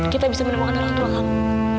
kita bisa menemukan orang tua kamu